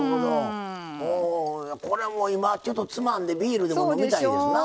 これも今ちょっとつまんでビール飲みたいですな。